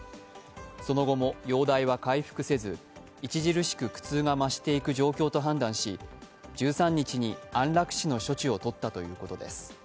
その後も容体は回復せず、著しく苦痛が増していく状況と判断し、１３日に安楽死の処置をとったということです。